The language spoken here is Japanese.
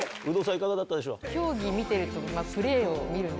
いかがだったでしょう？